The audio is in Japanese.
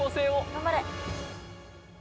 頑張れ。